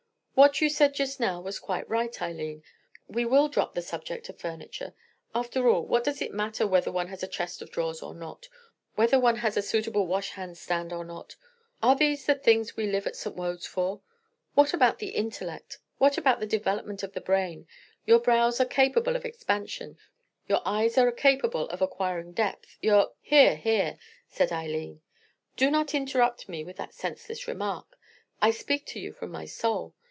What you said just now was quite right, Eileen; we will drop the subject of furniture. After all, what does it matter whether one has a chest of drawers or not, whether one has a suitable washhand stand or not? Are these the things we live at St. Wode's for? What about the intellect, what about the development of the brain? Your brows are capable of expansion, your eyes are capable of acquiring depth, your——" "Hear! hear!" said Eileen. "Do not interrupt me with that senseless remark. I speak to you from my soul.